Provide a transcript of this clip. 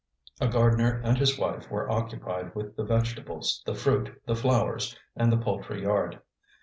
A gardener and his wife were occupied with the vegetables, the fruit, the flowers, and the poultry yard.